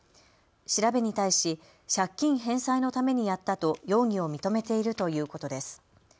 調べに対し借金返済のためにやったと容疑を認めているということです。